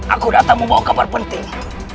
aku datang membawa kabar penting